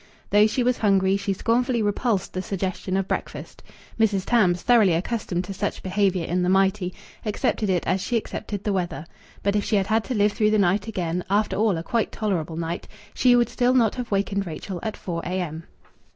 Though she was hungry, she scornfully repulsed the suggestion of breakfast. Mrs. Tams, thoroughly accustomed to such behaviour in the mighty, accepted it as she accepted the weather. But if she had had to live through the night again after all, a quite tolerable night she would still not have wakened Rachel at 4 a.m.